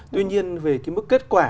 tuy nhiên về cái mức kết quả